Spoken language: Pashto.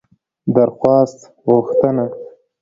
درخواست √غوښتنه